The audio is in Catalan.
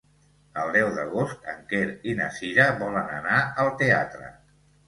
El deu d'agost en Quer i na Cira volen anar al teatre.